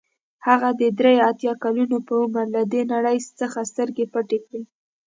هغه د درې اتیا کلونو په عمر له دې نړۍ څخه سترګې پټې کړې.